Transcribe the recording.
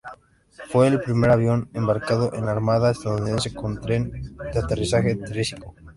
Fue el primer avión embarcado de la Armada estadounidense con tren de aterrizaje triciclo.